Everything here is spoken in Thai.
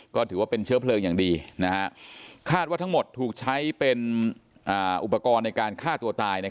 ก็ถือว่าเป็นเชื้อเพลิงอย่างดีคาดว่าทั้งหมดถูกใช้เป็นอุปกรณ์ในการฆ่าตัวตาย